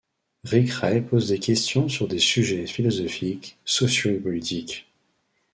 Rick Ray pose des questions sur des sujets philosophiques, sociaux et politiques.